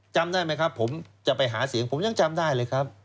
จำได้ไหมครับผมจะไปหาเสียงผมยังจำได้เลยครับ